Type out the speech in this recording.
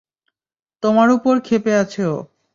তোমার উপর ক্ষেপে আছে ও।